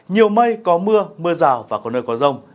nhiều mây có mưa mưa rào và có nơi có rông